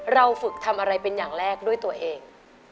เราฝึกทำอะไรเป็นอย่างแรกด้วยตัวเอง